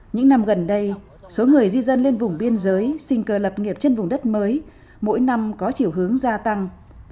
những năm gần đây số người di dân lên vùng biên giới sinh cơ lập nghiệp trên vùng đất mới mỗi năm có chiều hướng gia tăng